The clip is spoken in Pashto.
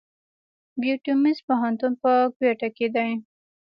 بيوټمز پوهنتون په کوټه کښي دی.